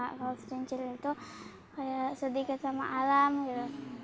kalau pecincil itu kayak sedikit sama alam gitu